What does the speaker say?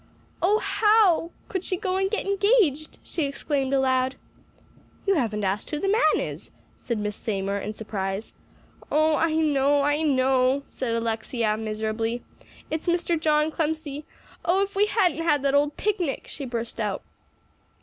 "Oh, how could she go and get engaged!" she exclaimed aloud. "You haven't asked who the man is," said Miss Seymour in surprise. "Oh, I know I know," said Alexia miserably; "it's Mr. John Clemcy. Oh, if we hadn't had that old picnic!" she burst out.